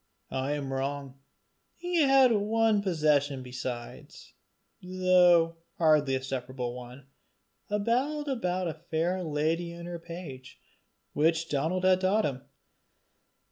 I am wrong he had one possession besides, though hardly a separable one a ballad about a fair lady and her page, which Donal had taught him.